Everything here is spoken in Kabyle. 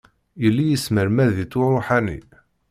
Yelli yesmermed-itt uṛuḥani.